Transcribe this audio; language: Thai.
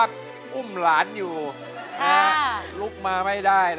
พุ่งที่๔มูลค่า๖๐๐๐๐บาท